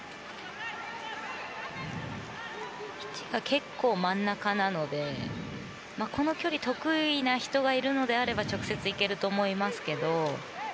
結構真ん中なのでこの距離得意な人がいるのであれば直接行けると思いますけど。